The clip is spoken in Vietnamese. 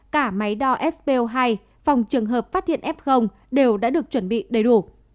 cả máy đo sbo hai phòng trường hợp phát hiện f đều đã được chuẩn bị đầy đủ